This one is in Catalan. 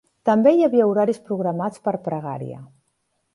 També hi havia horaris programats per pregària.